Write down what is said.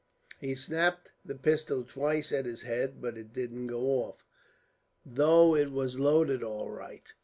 He snapped the pistol twice at his head, but it didn't go off, though it was loaded all right.